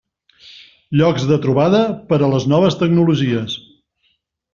Llocs de trobada per a les noves tecnologies.